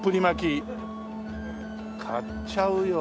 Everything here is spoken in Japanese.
買っちゃうよ。